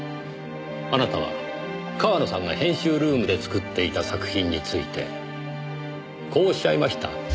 あなたは川野さんが編集ルームで作っていた作品についてこうおっしゃいました。